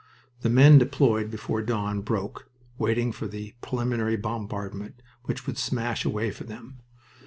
The men deployed before dawn broke, waiting for the preliminary bombardment which would smash a way for them.